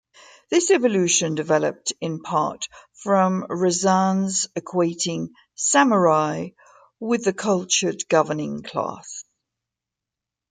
This evolution developed in part from Razan's equating samurai with the cultured governing class.